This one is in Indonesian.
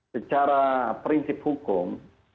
secara prinsip hukum